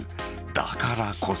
だからこそ。